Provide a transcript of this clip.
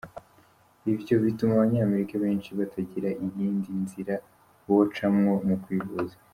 Ivyo bituma abanyamerika benshi batagira iyindi nzira bocamwo mu kwivuza.